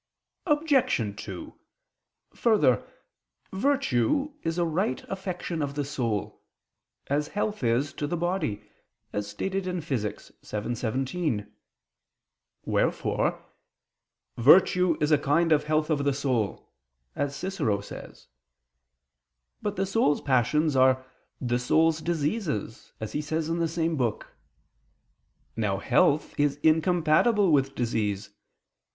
Obj. 2: Further, virtue is a right affection of the soul, as health is to the body, as stated Phys. vii, text. 17: wherefore "virtue is a kind of health of the soul," as Cicero says (Quaest. Tusc. iv). But the soul's passions are "the soul's diseases," as he says in the same book. Now health is incompatible with disease.